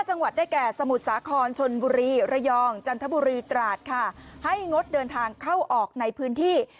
จังหวัดได้แก่สมุทรสาครชนบุรีระยองจันทบุรีตราดค่ะให้งดเดินทางเข้าออกในพื้นที่